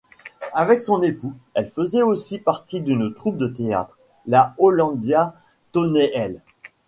Avec son époux, elle faisait aussi partie d'une troupe de théâtre, la Hollandia Toneel.